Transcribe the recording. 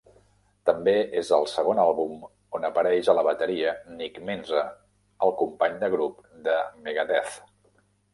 També és el segon àlbum on apareix a la bateria Nick Menza, el company de grup de Megadeth.